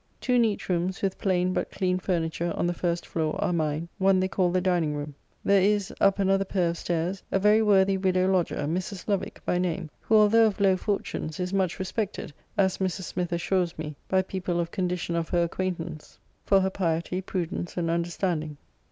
Two neat rooms, with plain, but clean furniture, on the first floor, are mine; one they call the dining room. There is, up another pair of stairs, a very worthy widow lodger, Mrs. Lovick by name; who, although of low fortunes, is much respected, as Mrs. Smith assures me, by people of condition of her acquaintance, for her piety, prudence, and understanding.